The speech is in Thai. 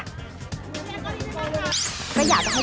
ผมขอยืนยันว่า